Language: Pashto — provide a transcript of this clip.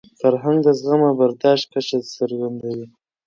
فرهنګ د زغم او برداشت کچه څرګندوي.